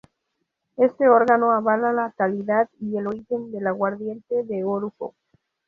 Este órgano avala la calidad y el origen del Aguardiente de Orujo.